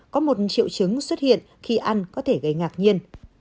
có một triệu chứng xuất hiện khi ăn có thể gây ngạc nhiên